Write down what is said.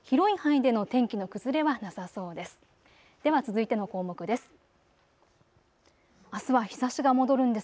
では続いての項目です。